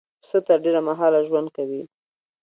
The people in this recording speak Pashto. پسه تر ډېره مهاله ژوند کوي.